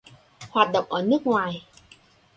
Hoạt động ở nước ngoài